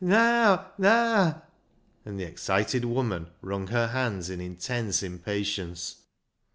Naa ! Naa !!" And the excited woman wrung her hands in intense impatience.